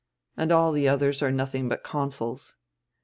And all the others are nothing hut consuls."